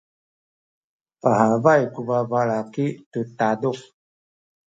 pahabay ku babalaki tu taduk.